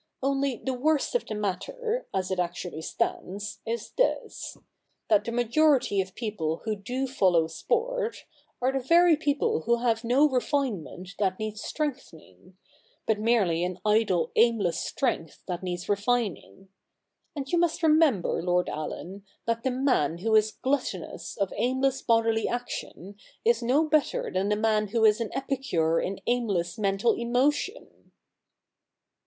Only the worst of the matter, as it actually stands, is this — that the majority of people who do follow sport, are 2i8 THE NEW REPUBLIC [bk. iv the very people who have no refinement that needs strengthening, but merely an idle aimless strength that needs refining. And you must remember, Lord Allen, that the man who is gluttonous of aimless bodily action is no better than the man who is an epicure in aimless mental emotion.'